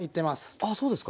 あっそうですか。